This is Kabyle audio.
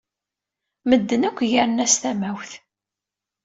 Medden akk gren-as tamawt.